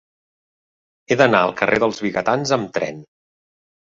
He d'anar al carrer dels Vigatans amb tren.